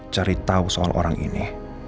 cari tahu soal orang ini